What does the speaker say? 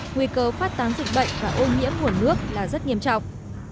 nguy cơ phát tán dịch bệnh và ô nhiễm nguồn nước là rất nghiêm trọng